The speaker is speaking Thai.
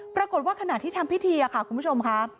ปรากฏว่าขณะที่ทำพิธีค่ะคุณผู้ชมค่ะ